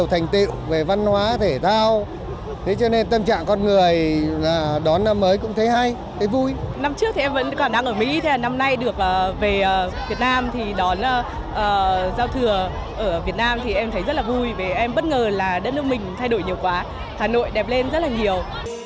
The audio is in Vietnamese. hà nội đẹp lên rất là nhiều